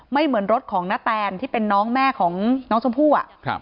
เหมือนรถของนาแตนที่เป็นน้องแม่ของน้องชมพู่